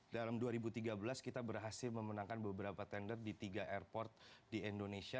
dalam dua ribu tiga belas kita berhasil memenangkan beberapa tender di tiga airport di indonesia